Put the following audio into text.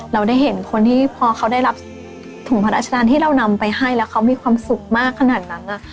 เราได้เห็นคนที่พอเขาได้รับถุงพระราชทานที่เรานำไปให้แล้วเขามีความสุขมากขนาดนั้น